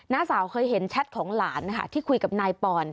สาวเคยเห็นแชทของหลานนะคะที่คุยกับนายปอน